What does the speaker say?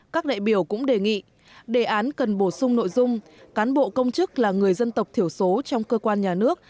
các đại biểu cũng đề nghị đề án cần bổ sung nội dung cán bộ công chức là người dân tộc thiểu số trong cơ quan nhà nước